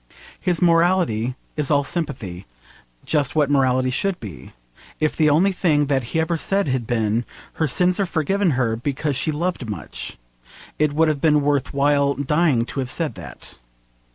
His morality is all sympathy, just what morality should be. If the only thing that he ever said had been, 'Her sins are forgiven her because she loved much,' it would have been worth while dying to have said it.